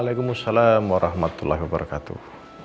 wa'alaikumussalam warahmatullahi wabarakatuh